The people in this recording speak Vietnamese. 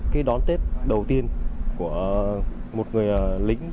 cái đón tết đầu tiên của một người lính